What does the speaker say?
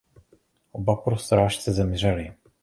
Oba po srážce zemřeli.